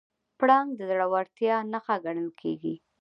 پړانګ د زړورتیا نښه ګڼل کېږي.